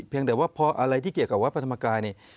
เพียงแต่ว่าอะไรที่เกี่ยวกับวัพพธรรมกายฯ